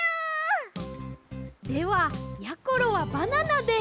ではやころはバナナで。